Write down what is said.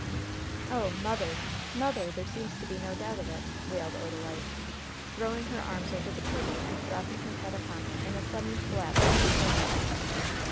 "Oh, mother mother! There seems to be no doubt of it!" wailed Odalite, throwing her arms over the table and dropping her head upon it in a sudden collapse of despair.